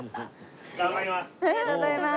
頑張ります。